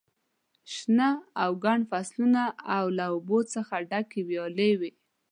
شنه او ګڼ فصلونه او له اوبو څخه ډکې ویالې وې.